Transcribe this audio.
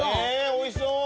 おいしそう！